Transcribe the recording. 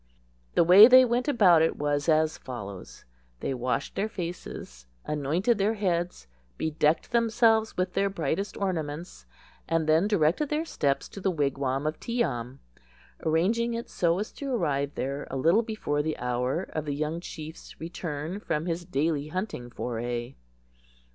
The way they went about it was as follows:—They washed their faces, anointed their heads, bedecked themselves with their brightest ornaments, and then directed their steps to the wigwam of Tee am, arranging it so as to arrive there a little before the hour of the young chief's return from his daily hunting foray.